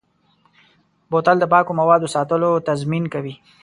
بوتل د پاکو موادو ساتلو تضمین کوي.